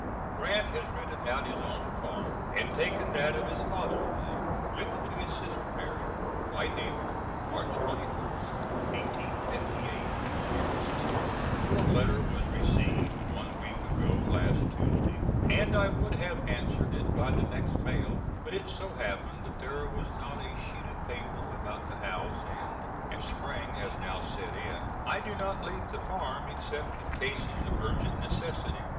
Grant has rented out his own farm, and taken that of his father in law. Written to his sister Mary.] White Haven, March 21st, 1858. DEAR SISTER: Your letter was received one week ago last Tuesday, and I would have answered it by the next mail but it so happened that there was not a sheet of paper about the house, and as Spring has now set in, I do not leave the farm except in cases of urgent necessity.